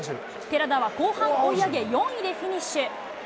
寺田は後半追い上げ、４位でフィニッシュ。